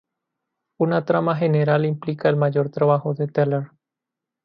Una trama general implica el mayor trabajo de Teller.